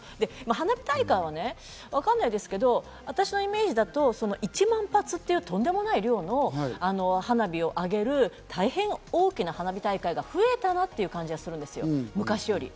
花火大会はね、わかんないですけど、私のイメージだと１万発というとんでもない量の花火を上げるたいへん大きな花火大会が増えたなという感じがするんですよ、昔より。